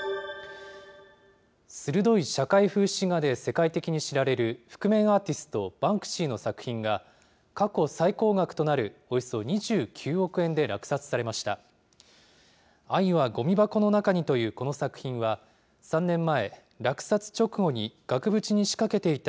鋭い社会風刺画で世界的に知られる覆面アーティスト、バンクシーの作品が、過去最高額となるおよそ２９億円で落札されました。